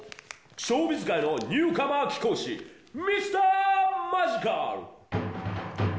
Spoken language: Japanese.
ショービズ界のニューカマー貴公子、ミスターマジカル。